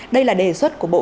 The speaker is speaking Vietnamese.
đây là đề xuất của bộ